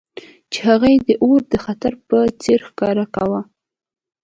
چې هغه یې د اور د خطر په څیر ښکاره کاوه